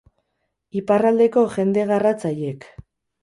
Iparraldeko jende garratz haiek.